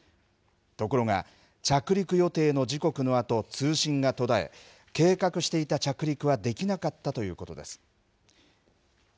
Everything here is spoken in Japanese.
ところが、着陸予定の時刻のあと通信が途絶え、計画していた着陸はできなかったということです。